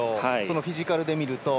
フィジカルで見ると。